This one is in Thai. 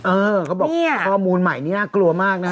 เออเขาบอกข้อมูลใหม่นี่น่ากลัวมากนะฮะ